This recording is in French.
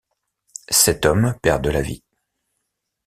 Sept hommes perdent la vie.